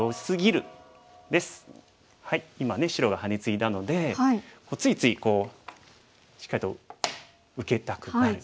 今ね白がハネツイだのでついついしっかりと受けたくなる。